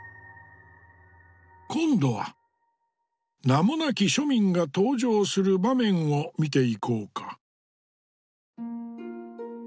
今度は名もなき庶民が登場する場面を見ていこうか。